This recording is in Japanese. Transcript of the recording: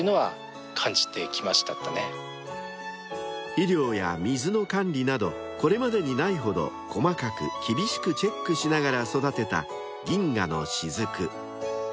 ［肥料や水の管理などこれまでにないほど細かく厳しくチェックしながら育てた銀河のしずく］